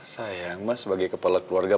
sayang mas sebagai kepala keluarga